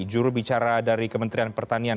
juru bicara dari kementerian pertanian